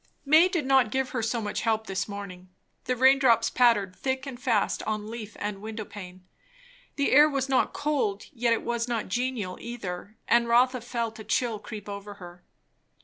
May did not give her so much help this morning; the rain drops pattered thick and fast on leaf and window pane; the air was not cold, yet it was not genial either, and Rotha felt a chill creep over her.